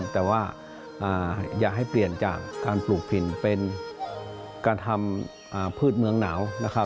แต่ว่าอยากให้เปลี่ยนจากการปลูกพินเป็นการทำพืชเมืองหนาวนะครับ